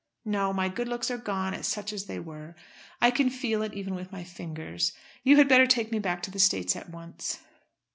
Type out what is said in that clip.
No! My good looks are gone, such as they were. I can feel it, even with my fingers. You had better take me back to the States at once."